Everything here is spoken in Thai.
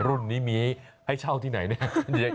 รุ่นนี้มีให้เช่าที่ไหนเนี่ย